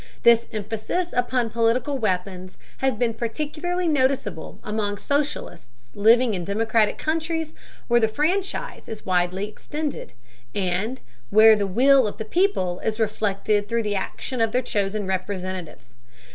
This emphasis upon political weapons has been particularly noticeable among socialists living in democratic countries where the franchise is widely extended, and where the will of the people is reflected through the action of their chosen representatives.